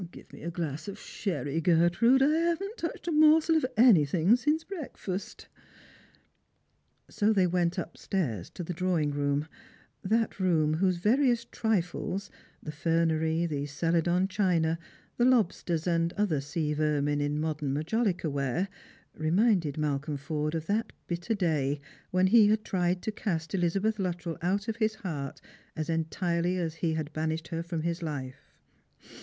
Give me a glass of sherry, Gertrude. I haven't touched a morsel of anything since breakfast." So they went upstairs to the drawing room — that room whose veriest trifles, the fernery, the celadon china, the lobsters and other sea vermin in modern majolica ware, reminded Malcolm Forde of that bitter day when he had tried to cast Elizabeth Luttrell out of his heart as entirely as he had banished her trow his life.